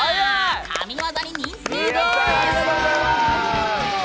神ワザに認定です！